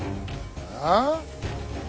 ああ？